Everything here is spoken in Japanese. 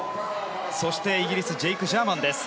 そして、イギリスのジェイク・ジャーマンです。